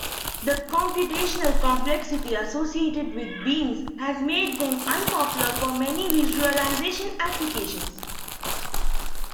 The computational complexity associated with beams has made them unpopular for many visualization applications.